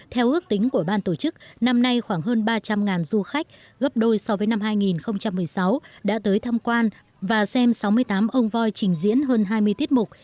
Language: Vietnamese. theo ước tính của ban tổ chức năm nay khoảng hơn ba trăm linh du khách gấp đôi so với năm hai nghìn một mươi sáu đã tới thăm quan và xem sáu mươi tám ông voi trình diễn hơn hai mươi tiết mục